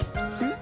ん？